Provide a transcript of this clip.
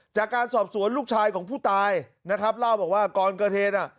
จากการสอบสวนลูกชายของผู้ตายนะครับเล่าบอกว่าก่อนเกิดเหตุอ่ะ